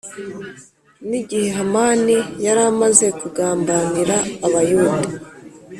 nigihe hamani yari amaze kugambanira abayuda